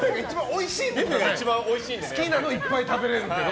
好きなのをいっぱい食べれるけど。